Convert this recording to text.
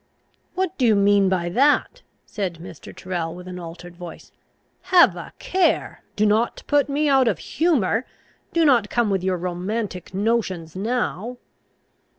"What do you mean by that?" said Mr. Tyrrel with an altered voice. "Have a care! Do not put me out of humour. Do not come with your romantic notions now."